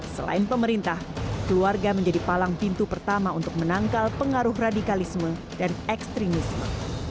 selain pemerintah keluarga menjadi palang pintu pertama untuk menangkal pengaruh radikalisme dan ekstremisme